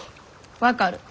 分かる。